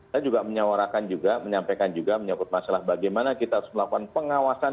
saya juga menyawarakan juga menyampaikan juga menyangkut masalah bagaimana kita harus melakukan pengawasan